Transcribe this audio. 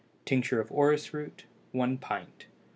Tincture of orris root 1 pint.